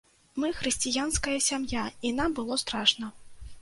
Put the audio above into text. Мы хрысціянская сям'я, і нам было страшна.